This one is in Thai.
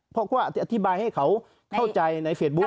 เพราะว่าอธิบายให้เขาเข้าใจในเฟซบุ๊